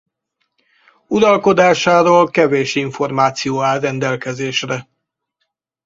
Uralkodásáról kevés információ áll rendelkezésre.